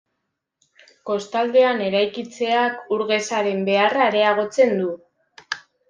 Kostaldean eraikitzeak ur-gezaren beharra areagotzen du.